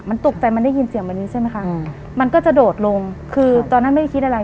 มันตกใจมันได้ยินเสียงวันนี้ใช่ไหมคะอืมมันก็จะโดดลงคือตอนนั้นไม่ได้คิดอะไร